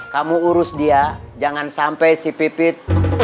kamu urus dia jangan sampai si pipit